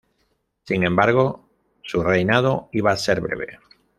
Sin embargo su reinado iba a ser breve.